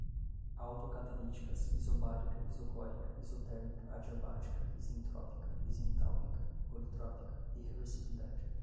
autocatalíticas, isobárica, isocórica, isotérmica, adiabática, isentrópica, isentálpica, politrópica, irreversibilidade